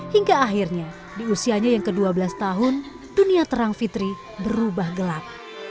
hingga akhirnya di usianya yang ke dua belas tahun dunia terang fitri berubah gelap